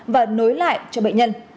và nối lại cho bệnh nhân